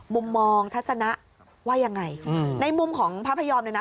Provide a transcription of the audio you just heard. มุมมองทัศนะว่ายังไงในมุมของพระพยอมเนี่ยนะ